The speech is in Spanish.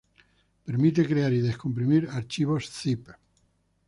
Permite crear y descomprimir archivos Zip.